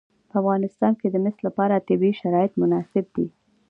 په افغانستان کې د مس لپاره طبیعي شرایط مناسب دي.